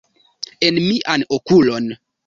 En mian okulon!